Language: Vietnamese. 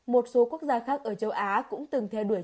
một số quốc gia khác ở châu á cũng từng theo đuổi